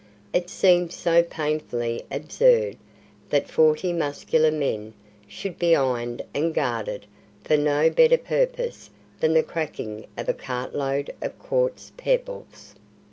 It seemed so painfully absurd that forty muscular men should be ironed and guarded for no better purpose than the cracking of a cartload of quartz pebbles.